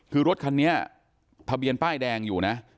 คือรถคันนี้แป้นแดงอยู่นะ